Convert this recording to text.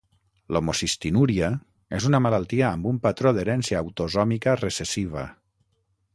L’homocistinúria és una malaltia amb un patró d’herència autosòmica recessiva.